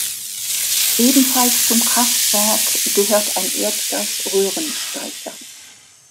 Ebenfalls zum Kraftwerk gehört ein Erdgas-Röhrenspeicher.